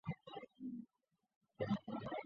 圣米歇尔德巴涅尔人口变化图示